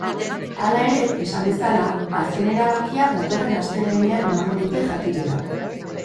Hala ere, esan bezala, azken erabakia datorren astelehenean emango dute jakitera.